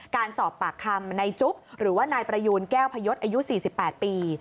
การสอบปากคำในจุ๊บหรือว่านายประยูนแก้วพยศอายุ๔๘ปี